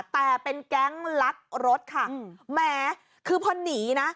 แต่เป็นแก๊งลักรถค่ะแหมคือพอหนีนะ